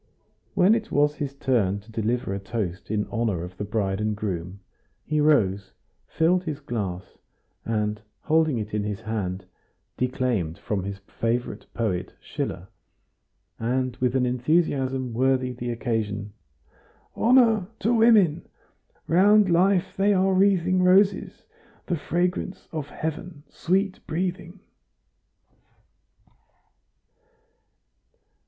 When it was his turn to deliver a toast in honor of the bride and groom, he rose, filled his glass, and holding it in his hand, declaimed from his favorite poet Schiller, and with an enthusiasm worthy the occasion: "Honor to women! round Life they are wreathing Roses, the fragrance of Heaven sweet breathing!"